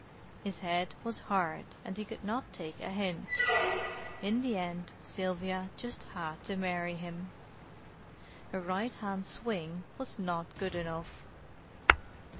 His head was hard and he could not take a hint. In the end Sylvia just had to marry him. Her right hand swing was not good enough.